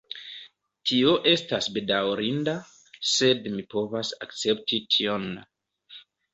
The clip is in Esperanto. Tio estas bedaŭrinda, sed mi povas akcepti tion.